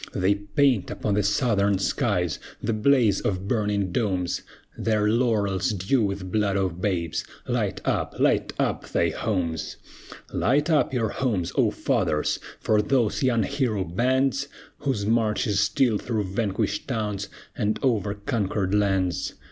They paint upon the Southern skies The blaze of burning domes, Their laurels dew with blood of babes! Light up, light up thy homes! Light up your homes, O fathers! For those young hero bands, Whose march is still through vanquished towns, And over conquered lands!